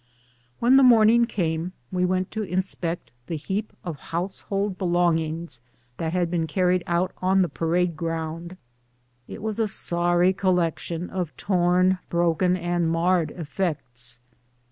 When the morning came we went to inspect the heap of household belongings that had been carried out on the parade ground. It was a sorry collection of torn, broken, and marred effects